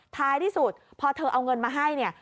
ท้ายที่สุดพอเธอเอาเงินมาให้เนี่ย